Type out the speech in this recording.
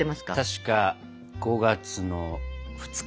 確か５月の２日。